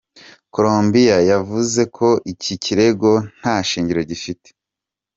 Colombia yavuze ko iki kirego "nta shingiro gifite.